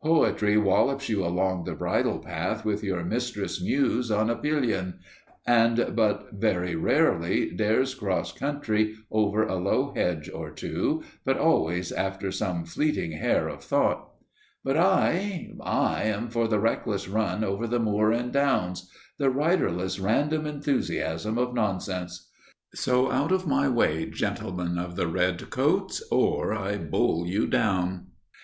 Poetry wallops you along the bridle path with your mistress Muse on a pillion, and, but very rarely, dares across country, over a low hedge or two (but always after some fleeting hare of thought); but I I am for the reckless run over the moor and downs the riderless random enthusiasm of nonsense! So out of my way, gentlemen of the red coats, or I bowl you down!